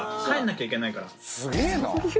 帰らなきゃいけないから。